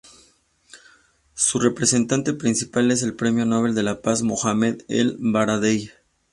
Su representante principal es el premio Nobel de la paz, Mohamed el-Baradei.